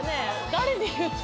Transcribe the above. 誰に言ってるの？